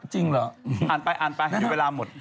จริงเหรออ่านไปให้เวลาหมด